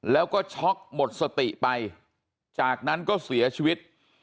ท็อกหมดสติไปจากนั้นก็เสียชีวิต